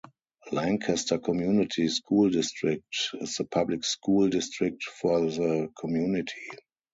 Lancaster Community School District is the public school district for the community.